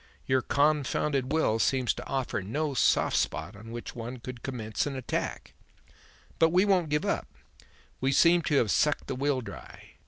Your confounded will seems to offer no soft spot on which one could commence an attack. But we won't give up. We seem to have sucked the will dry.